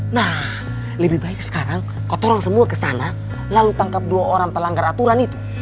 nah lebih baik sekarang kotoran semua kesana lalu tangkap dua orang pelanggar aturan itu